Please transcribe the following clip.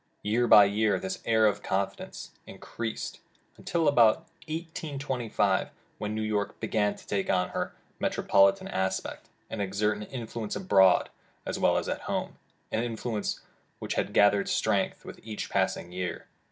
Year by year this era of confidence increased, until about 1825, when New York began to take on her metropolitan aspect, and exert an influence abroad as well as at home, an influence which has gath ered strength with each passing year.